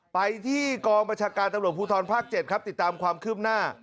ไปที่กองบัญชาการตำรวจภูทรภาค๗ครับติดตามความคืบหน้า